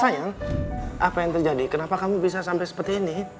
sayang apa yang terjadi kenapa kamu bisa sampai seperti ini